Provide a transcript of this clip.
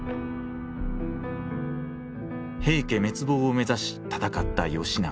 平家滅亡を目指し戦った義仲。